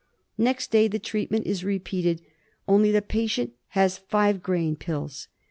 Next day the treatment is repeated, only the patient has 5 five grain pills.